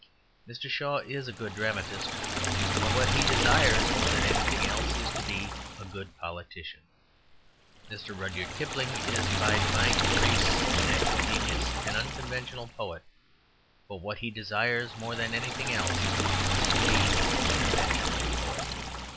Mr. Shaw is a good dramatist, but what he desires more than anything else to be is a good politician. Mr. Rudyard Kipling is by divine caprice and natural genius an unconventional poet; but what he desires more than anything else to be is a conventional poet.